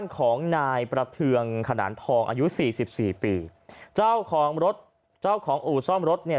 ของนายประเทืองขนานทองอายุสี่สิบสี่ปีเจ้าของรถเจ้าของอู่ซ่อมรถเนี่ย